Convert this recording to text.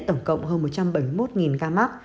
tổng cộng hơn một trăm bảy mươi một ca mắc